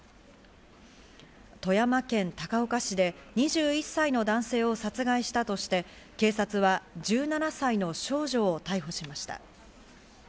富山県高岡市で２１歳の男性を殺害したとして警察は１７歳の少女を逮捕しました。